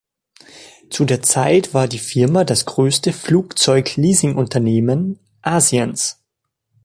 Zu der Zeit war die Firma das größte Flugzeug-Leasingunternehmen Asiens.